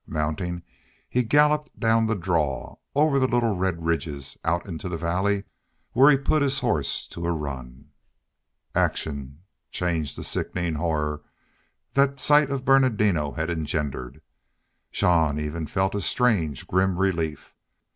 Mounting, he galloped down the draw, over the little red ridges, out into the valley, where he put his horse to a run. Action changed the sickening horror that sight of Bernardino had engendered. Jean even felt a strange, grim relief.